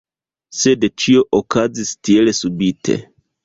Sed ĉio okazis tielsubite.